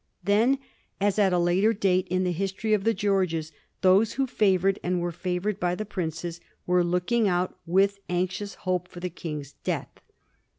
Then, as at a later date in the history of the Greorges, those who favoured and were favoured by the Prince were looking out with anxious hope for the King's death.